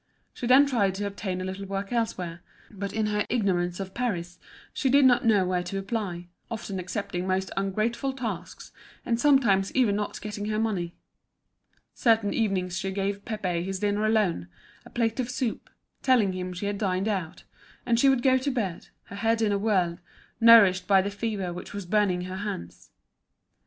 She then tried to obtain a little work elsewhere; but in her ignorance of Paris she did not know where to apply, often accepting most ungrateful tasks, and sometimes even not getting her money. Certain evenings she gave Pépé his dinner alone, a plate of soup, telling him she had dined out; and she would go to bed, her head in a whirl, nourished by the fever which was burning her hands.